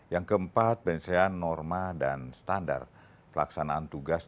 yang keempat penyelesaian norma dan standar pelaksanaan tugas